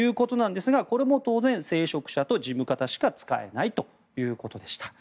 これも当然聖職者と事務方しか使えないということでした。